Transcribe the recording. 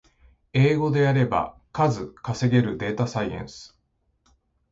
英語でやれば数稼げるデータサイエンス